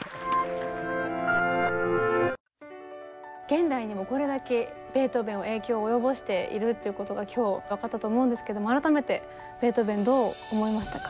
現代にもこれだけベートーベンは影響を及ぼしているということが今日分かったと思うんですけども改めてベートーベンどう思いましたか？